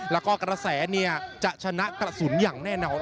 แล้วก็กระแสจะชนะกระสุนอย่างแน่นอน